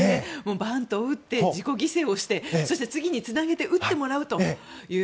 バントを打って自己犠牲をしてそして次につなげて打ってもらうという。